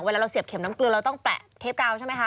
เราเสียบเข็มน้ำเกลือเราต้องแปะเทปกาวใช่ไหมคะ